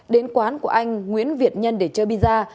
đến quán của anh nguyễn việt nhân để chơi biza